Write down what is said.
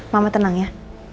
mama tenang ya